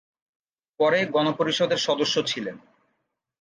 পরে গণপরিষদের সদস্য ছিলেন।